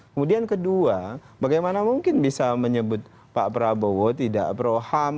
kemudian kedua bagaimana mungkin bisa menyebut pak prabowo tidak proham